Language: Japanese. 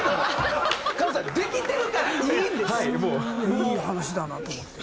いい話だなと思って。